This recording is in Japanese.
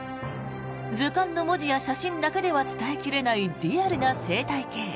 図鑑の文字や写真だけでは伝え切れないリアルな生態系。